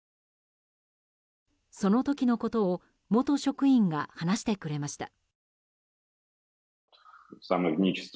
その時のことを元職員が話してくれました。